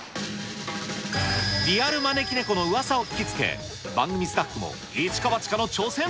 リアルまねきねこのうわさを聞きつけ、番組スタッフも一か八かの挑戦。